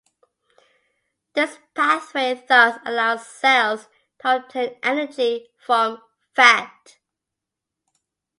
This pathway thus allows cells to obtain energy from fat.